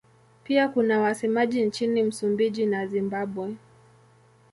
Pia kuna wasemaji nchini Msumbiji na Zimbabwe.